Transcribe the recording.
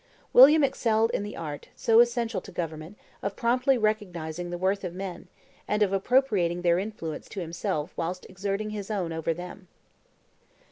William excelled in the art, so essential to government, of promptly recognizing the worth of men, and of appropriating their influence to himself whilst exerting his own over them.